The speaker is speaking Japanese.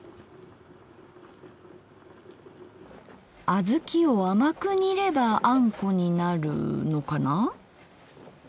あずきを甘く煮ればあんこになるのかな？